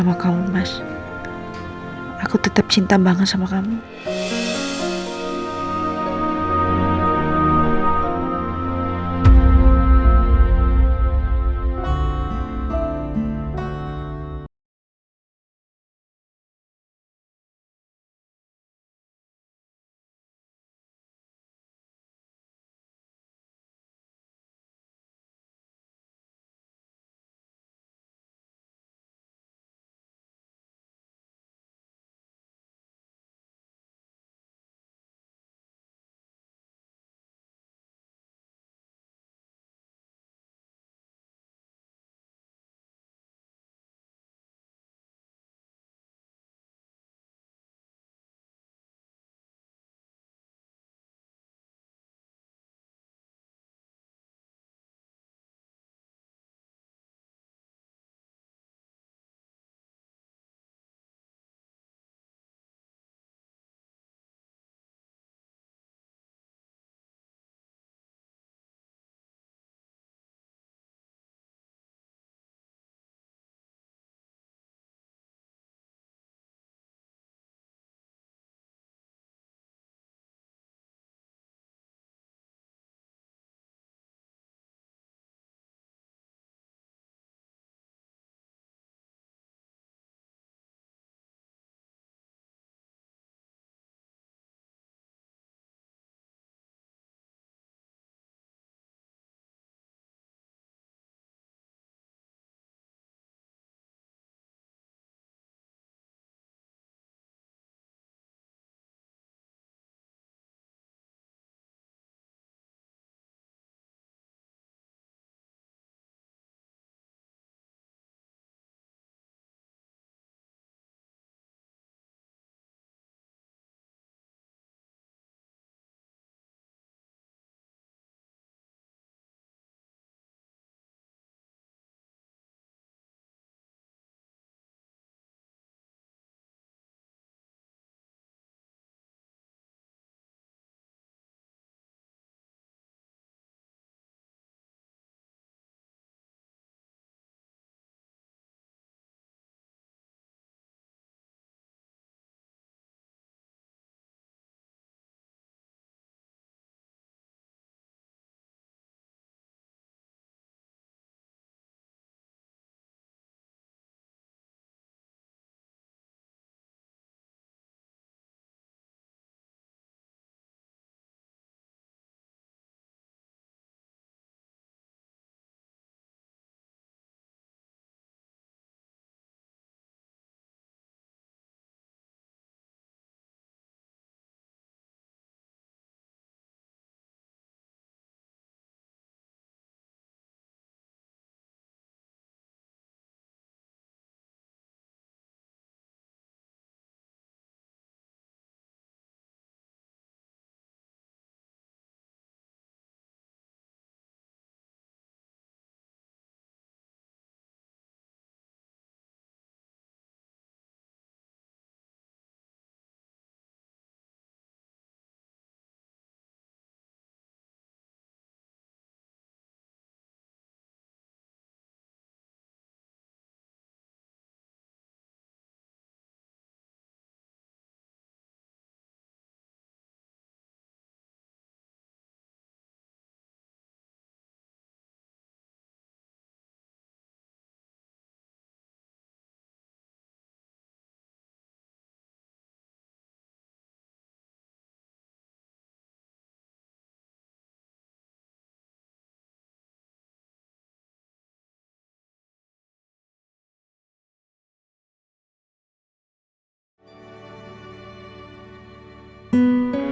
ya makasih banyak ya